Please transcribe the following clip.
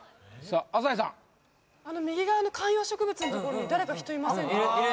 あの右側の観葉植物の所に誰か人いませんか？